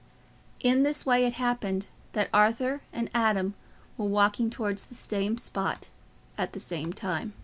In this way it happened that Arthur and Adam were walking towards the same spot at the same time.